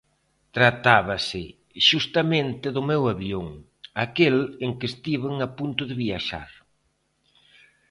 Tratábase xustamente do meu avión, aquel en que estiven a punto de viaxar.